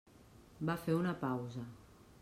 Va fer una pausa.